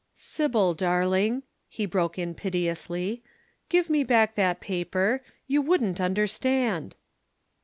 "'Sybil, darling,' he broke in piteously. 'Give me back that paper, you wouldn't understand.'